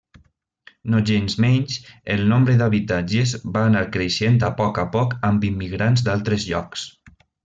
Nogensmenys, el nombre d'habitatges va anar creixent a poc a poc amb immigrants d'altres llocs.